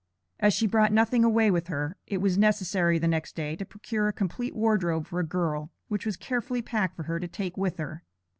As she brought nothing away with her, it was necessary, the next day, to procure a complete wardrobe for a girl, which was carefully packed for her to take with her.